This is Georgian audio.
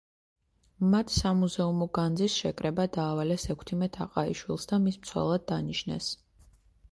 მათ სამუზეუმო განძის შეკრება დაავალეს ექვთიმე თაყაიშვილს და მის მცველად დანიშნეს.